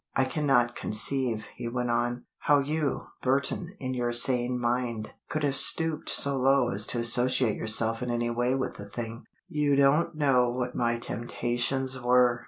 I cannot conceive," he went on, "how you, Burton, in your sane mind, could have stooped so low as to associate yourself in any way with the thing." "You don't know what my temptations were!"